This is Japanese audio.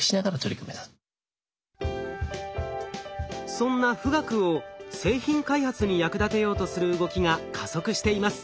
そんな富岳を製品開発に役立てようとする動きが加速しています。